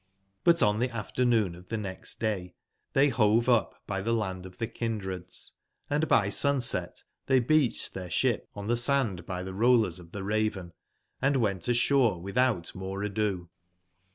But on tbe afternoon of tbe next day tbey bove up tbe land of tbe kindreds, and by sunset tbey beacbed tbeir sbip on tbe sand by tbe Rollers of tbe Raven, and went asbore witbout more ado.